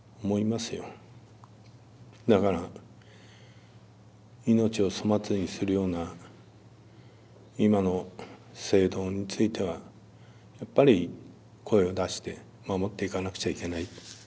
だから命を粗末にするような今の制度についてはやっぱり声を出して守っていかなくちゃいけない。